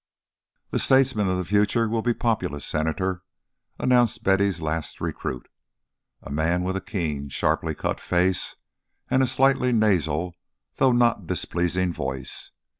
"The statesmen of the future will be Populists, Senator," announced Betty's last recruit, a man with a keen sharply cut face and a slightly nasal though not displeasing voice.